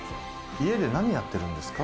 家で何やってるんですか？